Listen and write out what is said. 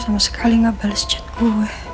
sini ke bawah biar papa duk situ